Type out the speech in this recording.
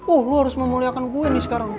oh lu harus memuliakan gue nih sekarang